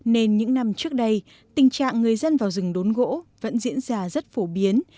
nên những năm trước đây tình trạng người dân vào rừng đốn gỗ vẫn diễn ra rất phổ biến